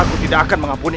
aku tidak akan menghapuni